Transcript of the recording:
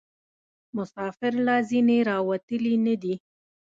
مسافر لا ځني راوتلي نه دي.